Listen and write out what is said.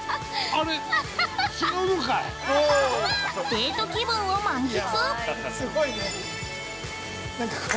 デート気分を満喫！